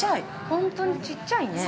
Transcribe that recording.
◆本当にちっちゃいね。